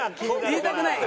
言いたくない。